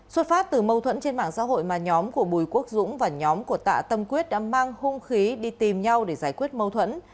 xuất phát từ mâu thuẫn trên mạng xã hội mà nhóm của bùi quốc dũng và nhóm của tạ tâm quyết đã mang hung khí đi tìm nhau để giải quyết mâu thuẫn